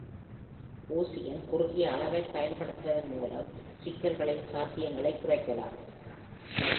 ஊசியின் குறுகிய அளவைப் பயன்படுத்துவதன் மூலம் சிக்கல்களின் சாத்தியங்களைக் குறைக்கலாம்.